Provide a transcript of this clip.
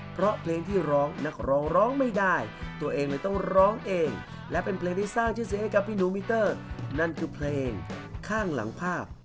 เพราะเพลงที่ร้องนักร้องร้องไม่ได้ตัวเองเลยต้องร้องเองและเป็นเพลงที่สร้างชื่อเสียงให้กับพี่หนูมิเตอร์นั่นคือเพลงข้างหลังภาพ